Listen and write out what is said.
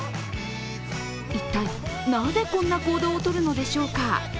一体なぜ、こんな行動をとるのでしょうか。